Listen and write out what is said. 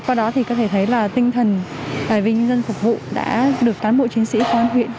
qua đó thì có thể thấy là tinh thần tại vì nhân dân phục vụ đã được cán bộ chiến sĩ công an huyện